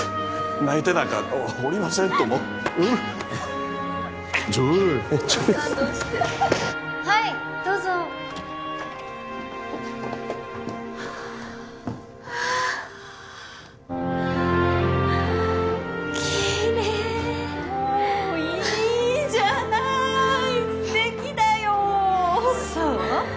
泣いてなんかおりませんともおうエンジョーイ感動してはいどうぞはあわあキレイもういいじゃない素敵だよそう？